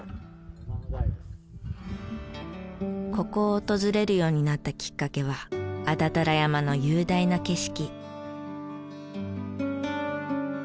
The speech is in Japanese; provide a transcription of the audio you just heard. ここを訪れるようになったきっかけは安達太良山の雄大な景色。